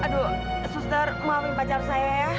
aduh suster maafin pacar saya ya